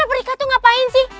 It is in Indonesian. mereka tuh ngapain sih